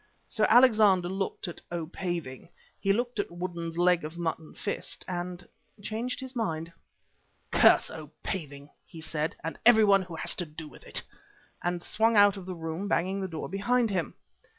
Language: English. Sir Alexander looked at "O. Paving," then he looked at Woodden's leg of mutton fist, and changed his mind. "Curse 'O. Paving,'" he said, "and everyone who has to do with it," and swung out of the room, banging the door behind him.